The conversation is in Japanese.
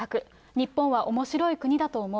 日本はおもしろい国だと思う。